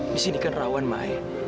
di sini kan rawan main